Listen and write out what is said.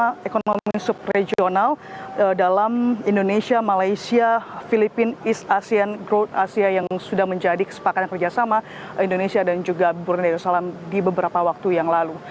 bagaimana ekonomi subregional dalam indonesia malaysia filipina east asian growth asia yang sudah menjadi kesepakatan kerjasama indonesia dan juga brunei darussalam di beberapa waktu yang lalu